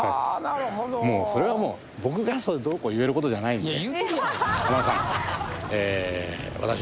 それはもう僕がどうこう言えることじゃないんで。